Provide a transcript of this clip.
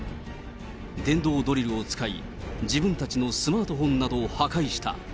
電動ドリルを使い、自分たちのスマートフォンなどを破壊した。